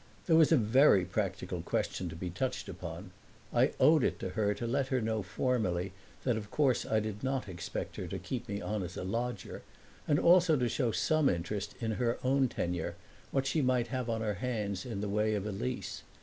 There was a very practical question to be touched upon. I owed it to her to let her know formally that of course I did not expect her to keep me on as a lodger, and also to show some interest in her own tenure, what she might have on her hands in the way of a lease.